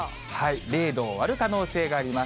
０度を割る可能性があります。